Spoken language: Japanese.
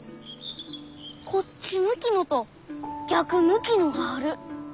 こっち向きのと逆向きのがある。